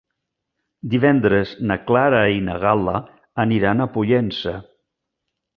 Divendres na Clara i na Gal·la aniran a Pollença.